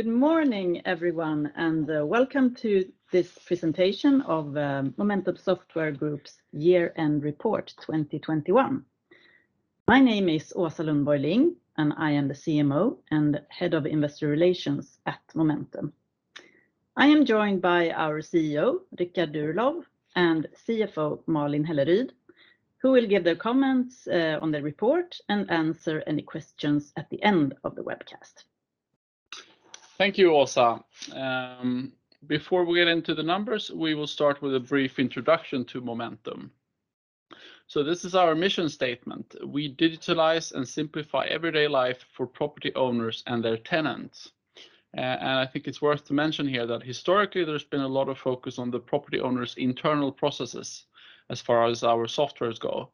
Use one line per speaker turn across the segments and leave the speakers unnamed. Good morning everyone, and welcome to this presentation of Momentum Software Group's year-end report 2021. My name is Åsa Lundborg-Ling, and I am the CMO and Head of Investor Relations at Momentum. I am joined by our CEO Richard Durlow and CFO Malin Helleryd, who will give their comments on the report and answer any questions at the end of the webcast.
Thank you Åsa. Before we get into the numbers, we will start with a brief introduction to Momentum. This is our mission statement. We digitalize and simplify everyday life for property owners and their tenants. I think it's worth to mention here that historically there's been a lot of focus on the property owner's internal processes as far as our softwares go.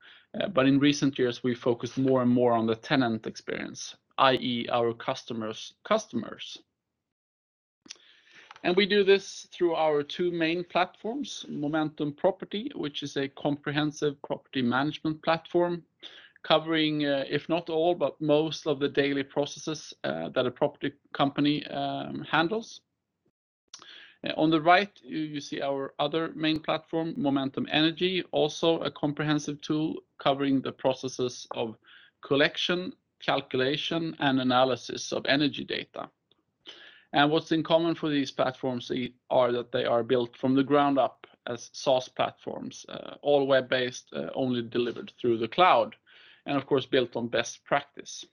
In recent years, we focused more and more on the tenant experience, i.e. our customers' customers. We do this through our two main platforms, Momentum Fastighet, which is a comprehensive property management platform covering, if not all, but most of the daily processes, that a property company handles. On the right, you see our other main platform, Momentum Energi, also a comprehensive tool covering the processes of collection, calculation, and analysis of energy data. What's in common for these platforms are that they are built from the ground up as SaaS platforms. All web-based, only delivered through the cloud, and of course, built on best practice.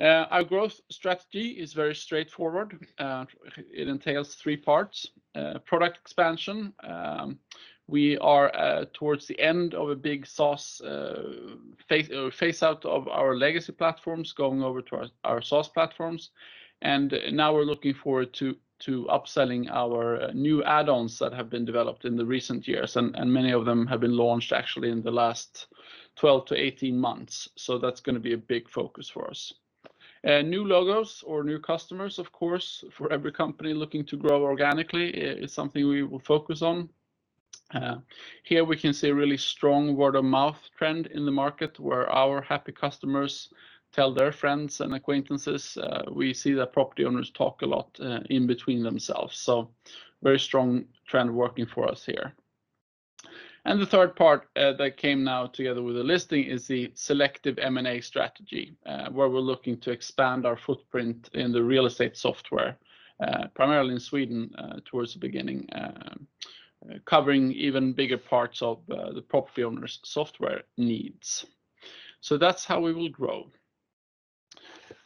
Our growth strategy is very straightforward. It entails three parts. Product expansion. We are towards the end of a big SaaS phase out of our legacy platforms, going over to our SaaS platforms. Now we're looking forward to upselling our new add-ons that have been developed in the recent years. Many of them have been launched actually in the last 12 to 18 months. That's gonna be a big focus for us. New logos or new customers, of course, for every company looking to grow organically is something we will focus on. Here we can see a really strong word-of-mouth trend in the market where our happy customers tell their friends and acquaintances. We see that property owners talk a lot in between themselves. Very strong trend working for us here. The third part that came now together with the listing is the selective M&A strategy where we're looking to expand our footprint in the real estate software primarily in Sweden towards the beginning covering even bigger parts of the property owner's software needs. That's how we will grow.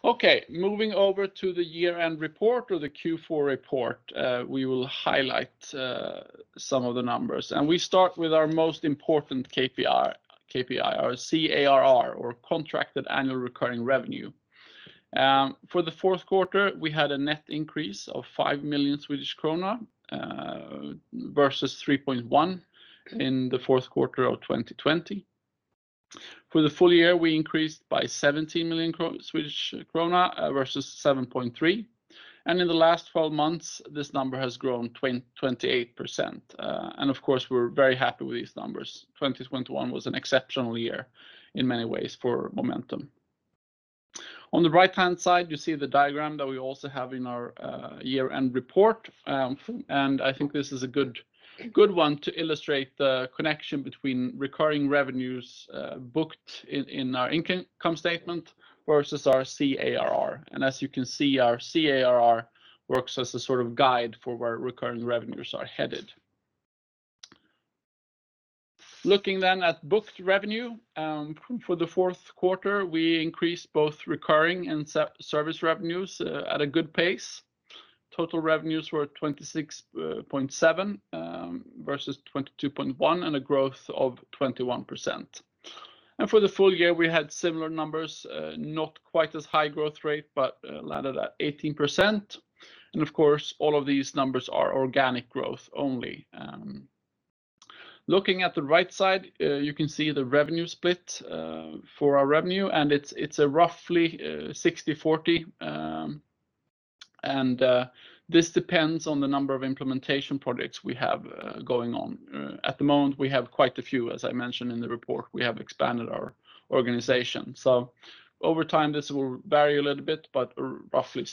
Okay, moving over to the year-end report or the Q4 report. We will highlight some of the numbers. We start with our most important KPI or CARR or contracted annual recurring revenue. For the fourth quarter, we had a net increase of 5 million Swedish krona versus 3.1 million in the fourth quarter of 2020. For the full year, we increased by 17 million Swedish krona versus 7.3 million. In the last twelve months, this number has grown 28%. Of course, we're very happy with these numbers. 2021 was an exceptional year in many ways for Momentum. On the right-hand side, you see the diagram that we also have in our year-end report. I think this is a good one to illustrate the connection between recurring revenues booked in our income statement versus our CARR. As you can see, our CARR works as a sort of guide for where recurring revenues are headed. Looking at booked revenue, for the fourth quarter, we increased both recurring and service revenues at a good pace. Total revenues were 26.7 versus 22.1 and a growth of 21%. For the full year, we had similar numbers, not quite as high growth rate, but landed at 18%. Of course, all of these numbers are organic growth only. Looking at the right side, you can see the revenue split for our revenue, and it's a roughly 60/40. This depends on the number of implementation projects we have going on. At the moment, we have quite a few, as I mentioned in the report. We have expanded our organization. Over time, this will vary a little bit, but roughly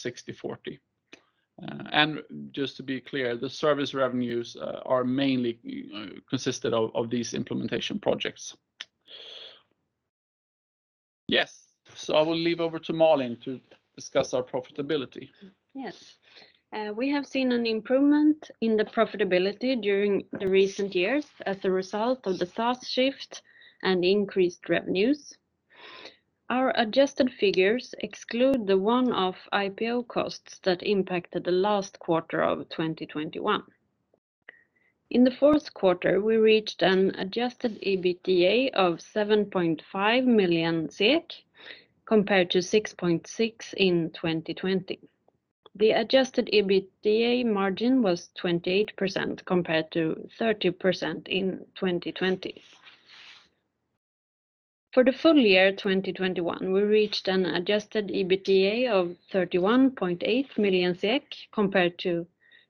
60/40. Just to be clear, the service revenues are mainly consisted of these implementation projects. Yes. I will hand over to Malin to discuss our profitability.
Yes, we have seen an improvement in the profitability during the recent years as a result of the SaaS shift and increased revenues. Our adjusted figures exclude the one-off IPO costs that impacted the last quarter of 2021. In the fourth quarter, we reached an adjusted EBITDA of 7.5 million compared to 6.6 million in 2020. The adjusted EBITDA margin was 28% compared to 30% in 2020. For the full year 2021, we reached an adjusted EBITDA of 31.8 million compared to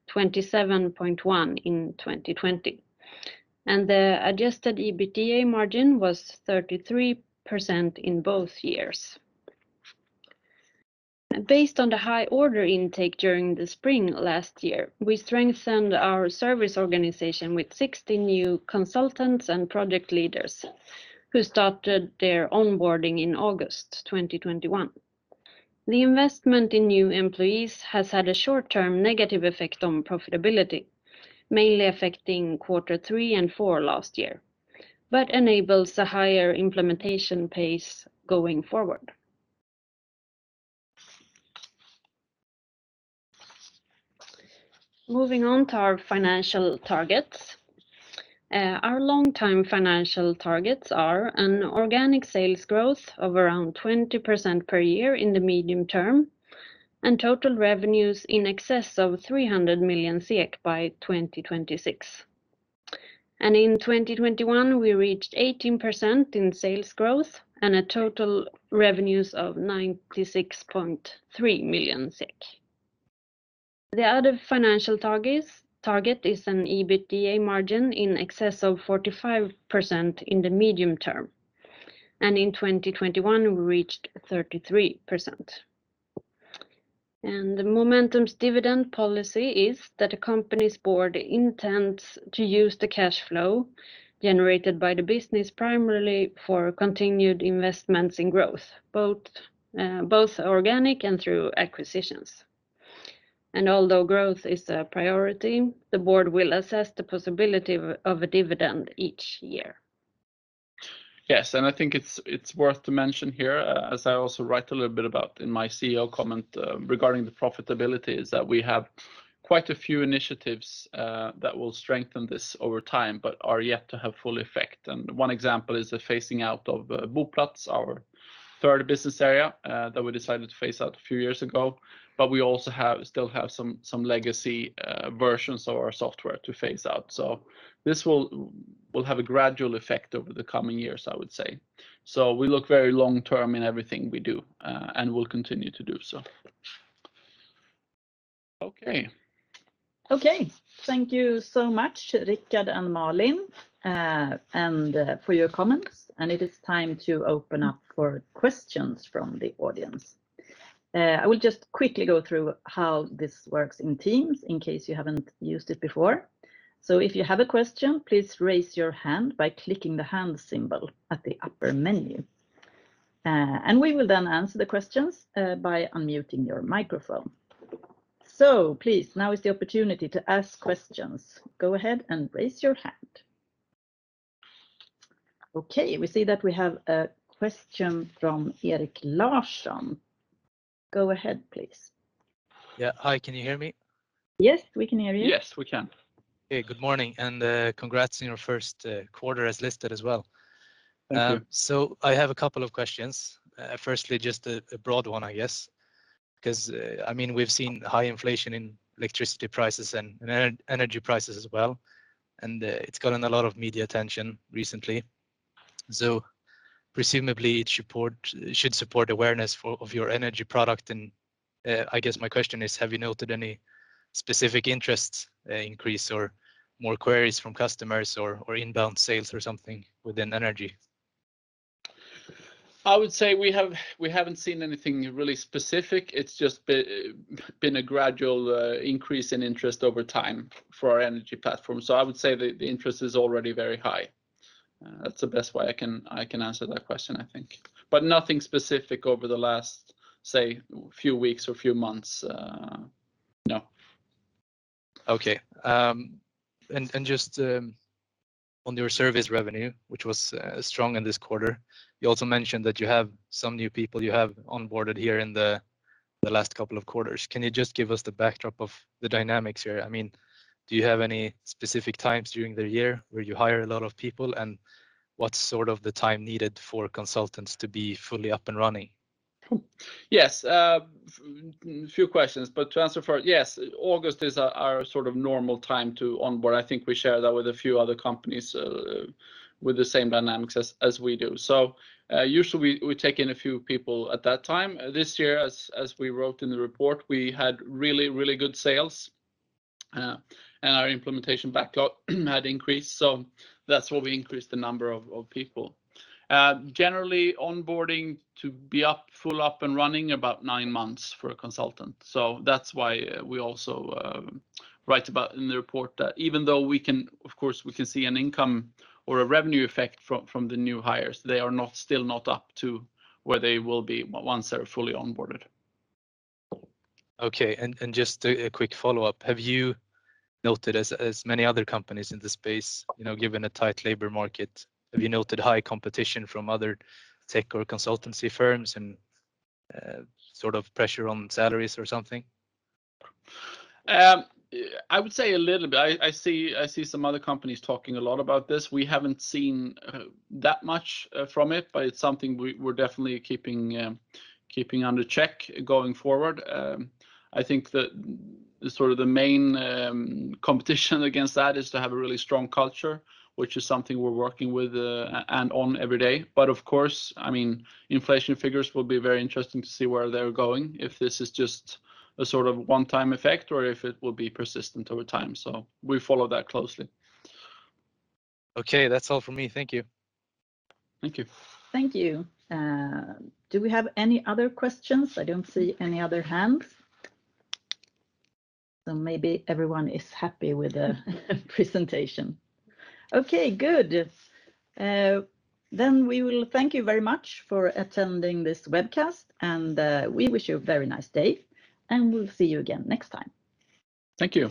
27.1 million in 2020. The adjusted EBITDA margin was 33% in both years. Based on the high order intake during the spring last year, we strengthened our service organization with 60 new consultants and project leaders who started their onboarding in August 2021. The investment in new employees has had a short-term negative effect on profitability, mainly affecting quarter three and four last year, but enables a higher implementation pace going forward. Moving on to our financial targets. Our long-term financial targets are an organic sales growth of around 20% per year in the medium term and total revenues in excess of 300 million by 2026. In 2021, we reached 18% in sales growth and a total revenues of 96.3 million SEK. The other financial target is an EBITDA margin in excess of 45% in the medium term, and in 2021, we reached 33%. Momentum's dividend policy is that the company's board intends to use the cash flow generated by the business primarily for continued investments in growth, both organic and through acquisitions. Although growth is a priority, the board will assess the possibility of a dividend each year.
Yes. I think it's worth to mention here, as I also write a little bit about in my CEO comment, regarding the profitability, is that we have quite a few initiatives that will strengthen this over time but are yet to have full effect. One example is the phasing out of Boplats, our third business area, that we decided to phase out a few years ago. We also still have some legacy versions of our software to phase out. This will have a gradual effect over the coming years, I would say. We look very long-term in everything we do and will continue to do so. Okay.
Okay. Thank you so much, Richard and Malin, for your comments. It is time to open up for questions from the audience. I will just quickly go through how this works in Teams in case you haven't used it before. If you have a question, please raise your hand by clicking the hand symbol at the upper menu, and we will then answer the questions by unmuting your microphone. Please, now is the opportunity to ask questions. Go ahead and raise your hand. Okay. We see that we have a question from Erik Larsson. Go ahead, please.
Yeah. Hi, can you hear me?
Yes, we can hear you.
Yes, we can.
Okay. Good morning and congrats on your first quarter as listed as well.
Thank you.
I have a couple of questions. Firstly, just a broad one, I guess, 'cause I mean, we've seen high inflation in electricity prices and energy prices as well, and it's gotten a lot of media attention recently. Presumably it should support awareness for, of your energy product. I guess my question is, have you noted any specific interests, increase or more queries from customers or inbound sales or something within energy?
I would say we haven't seen anything really specific. It's just been a gradual increase in interest over time for our energy platform. I would say that the interest is already very high. That's the best way I can answer that question, I think. Nothing specific over the last, say, few weeks or few months. No.
Okay. And just on your service revenue, which was strong in this quarter, you also mentioned that you have some new people you have onboarded here in the last couple of quarters. Can you just give us the backdrop of the dynamics here? I mean, do you have any specific times during the year where you hire a lot of people? What's sort of the time needed for consultants to be fully up and running?
Yes. Few questions, but to answer first, yes, August is our sort of normal time to onboard. I think we share that with a few other companies with the same dynamics as we do. Usually we take in a few people at that time. This year, as we wrote in the report, we had really good sales and our implementation backlog had increased. That's why we increased the number of people. Generally onboarding to be up, full up and running takes about nine months for a consultant. That's why we also write about in the report that even though we can, of course, see an income or a revenue effect from the new hires, they are still not up to where they will be once they're fully onboarded.
Okay. Just a quick follow-up. Have you noted, as many other companies in this space, you know, given a tight labor market, high competition from other tech or consultancy firms and sort of pressure on salaries or something?
I would say a little bit. I see some other companies talking a lot about this. We haven't seen that much from it, but it's something we're definitely keeping under check going forward. I think that sort of the main competition against that is to have a really strong culture, which is something we're working with and on every day. But of course, I mean, inflation figures will be very interesting to see where they're going, if this is just a sort of one-time effect or if it will be persistent over time. We follow that closely.
Okay. That's all from me. Thank you.
Thank you.
Thank you. Do we have any other questions? I don't see any other hands. Maybe everyone is happy with the presentation. Okay, good. We will thank you very much for attending this webcast. We wish you a very nice day, and we'll see you again next time.
Thank you.